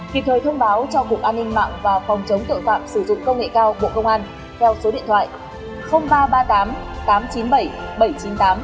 kịp thời thông báo cho cục an ninh mạng và phòng chống tội phạm sử dụng công nghệ cao bộ công an theo số điện thoại ba trăm ba mươi tám tám trăm chín mươi bảy bảy trăm chín mươi tám